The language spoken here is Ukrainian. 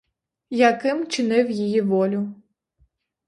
Яким чинив її волю.